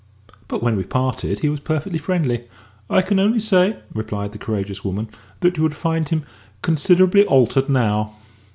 "But when we parted he was perfectly friendly." "I can only say," replied the courageous woman, "that you would find him considerably altered now."